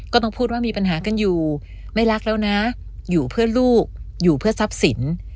ก็ต้องพูดว่ามีปัญหากันอยู่ไม่รักแล้วนะอยู่เพื่อลูกอยู่เพื่อทรัพย์สิน